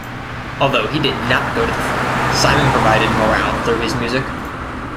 Although he did not go to the front, Simon provided morale through his music.